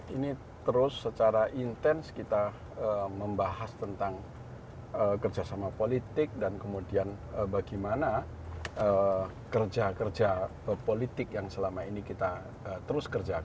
ini terus secara intens kita membahas tentang kerjasama politik dan kemudian bagaimana kerja kerja politik yang selama ini kita terus kerjakan